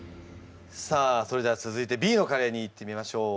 さあそれでは続いてＢのカレーにいってみましょう。